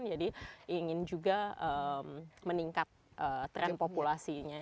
jadi ingin juga meningkat tren populasinya